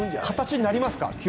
形になりますか？